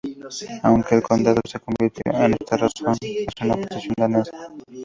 Aunque el condado no se convirtió por esta razón en una posesión danesa.